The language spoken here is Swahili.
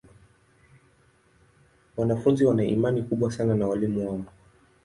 Wanafunzi wana imani kubwa sana na walimu wao.